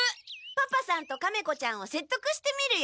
パパさんとカメ子ちゃんをせっとくしてみるよ。